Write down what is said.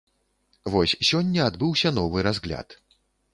Вось сёння адбыўся новы разгляд.